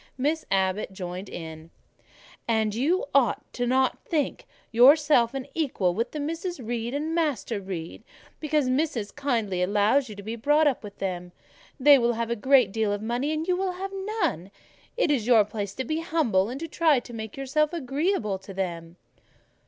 Miss Abbot joined in— "And you ought not to think yourself on an equality with the Misses Reed and Master Reed, because Missis kindly allows you to be brought up with them. They will have a great deal of money, and you will have none: it is your place to be humble, and to try to make yourself agreeable to them."